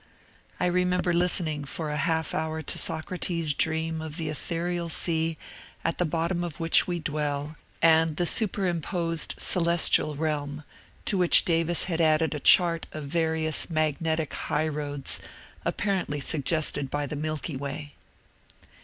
I remember listening for a half hour to Socrates' dream of the ethereal sea at the bottom of which we dwell, and the superimposed celestial realm, to which Davis had added a chart of various magnetic higl^roads apparently suggested by the Milky Way.